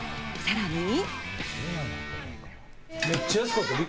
さらに。